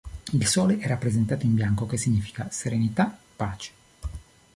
Il sole è rappresentato in bianco, che significa "serenità, pace".